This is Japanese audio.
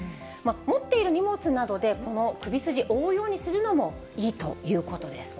持っている荷物などで、この首筋、覆うようにするのもいいということです。